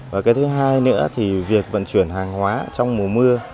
và cái thứ hai nữa thì việc vận chuyển hàng hóa trong mùa mưa